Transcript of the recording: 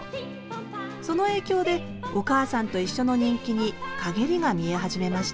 その影響で「おかあさんといっしょ」の人気に陰りが見え始めました